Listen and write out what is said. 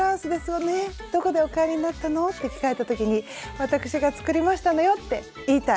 どこでお買いになったの？」って聞かれた時に「わたくしが作りましたのよ！」って言いたい！